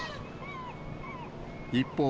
一方、